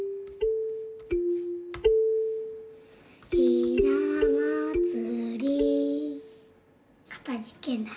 「ひなまつり」かたじけない。